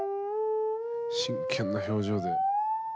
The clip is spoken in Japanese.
真剣な表情で。